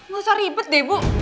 nggak usah ribet deh bu